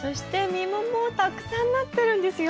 実ももうたくさんなってるんですよ。